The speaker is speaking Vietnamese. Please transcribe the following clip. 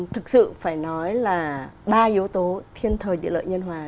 thực sự phải nói là ba yếu tố thiên thời địa lợi nhân hòa